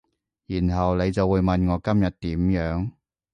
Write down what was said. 然後你就會問我今日點樣